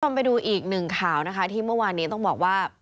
ไปดูอีกหนึ่งข่าวนะคะที่เมื่อวานนี้ต้องบอกว่า